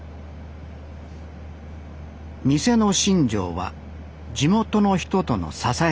店の信条は地元の人との支え合い。